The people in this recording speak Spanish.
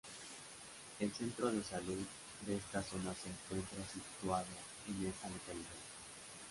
El centro de salud de esta zona se encuentra situado en esta localidad.